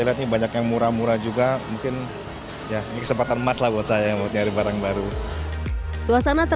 lihat nih banyak yang murah murah juga mungkin ya ini kesempatan emas lah buat saya mau nyari barang baru suasana